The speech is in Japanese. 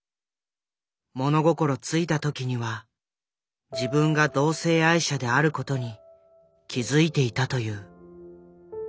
物心付いた時には自分が同性愛者である事に気付いていたという。